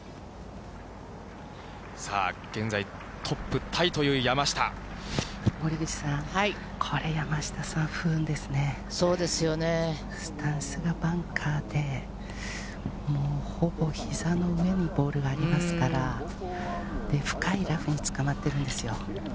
現在、森口さん、これ、そうですよね。スタンスがバンカーで、もう、ほぼひざの上にボールがありますから、で、深いラフにつかまってるんですよ。